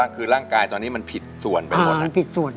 คือร่างกายตอนนี้มันผิดส่วนไปหมดมันผิดส่วน